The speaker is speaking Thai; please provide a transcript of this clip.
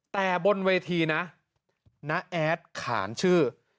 แต่บนเวทีนะน้าแอดขานชื่อ